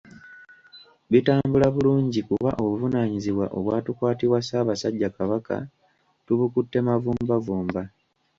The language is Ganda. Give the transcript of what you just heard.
Bitambula bulungi kuba obuvunaanyizibwa obwatukwasibwa Ssaabasajja Kabaka tubukutte mavumbavumba.